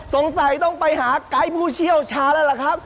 สงสัยต้องไปหากายผู้เชี่ยวช้าแล้วหรือครับ